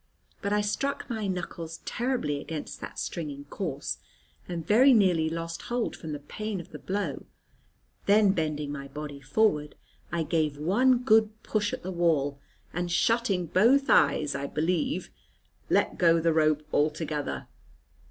But I struck my knuckles terribly against that stringing course, and very nearly lost hold from the pain of the blow; then bending my body forward I gave one good push at the wall, and shutting both eyes, I believe, let go the rope altogether.